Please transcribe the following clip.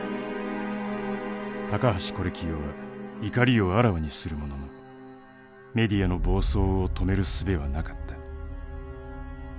高橋是清は怒りをあらわにするもののメディアの暴走を止めるすべはなかった。